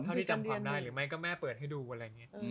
ถ้าจำความได้รึไม่ก็แม่เปิดให้ดูว่าไง